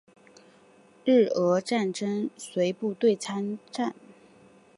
日俄战争时随部队参战。